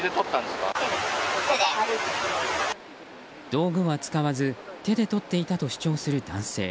道具は使わず手でとっていたと主張する男性。